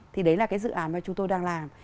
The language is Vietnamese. thì đấy là cái dự án mà chúng tôi đang làm